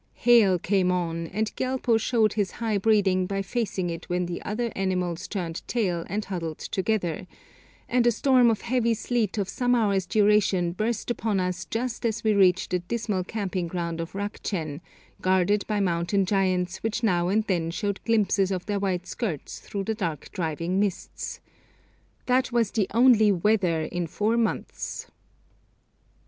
Hail came on, and Gyalpo showed his high breeding by facing it when the other animals 'turned tail' and huddled together, and a storm of heavy sleet of some hours' duration burst upon us just as we reached the dismal camping ground of Rukchen, guarded by mountain giants which now and then showed glimpses of their white skirts through the dark driving mists. That was the only 'weather' in four months.